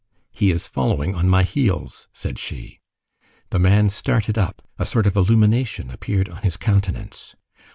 "He is following on my heels," said she. The man started up. A sort of illumination appeared on his countenance.